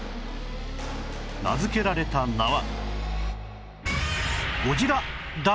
名付けられた名は